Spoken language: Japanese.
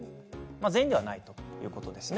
全員ではないということです。